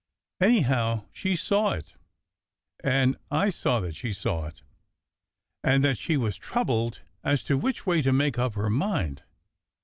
Anyhow, she saw it, and I saw that she saw it, and that she was troubled as to which way to make up her mind.